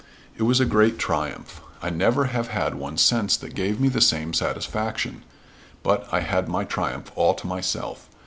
It was a great triumph. I never have had one since that gave me the same satisfaction. But I had my triumph all to myself.